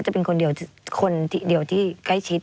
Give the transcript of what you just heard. จะเป็นคนเดียวคนเดียวที่ใกล้ชิด